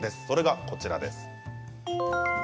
それがこちらです。